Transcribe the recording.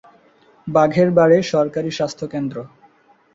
বাঘের বাড়ি সরকারী স্বাস্থ্যকেন্দ্র।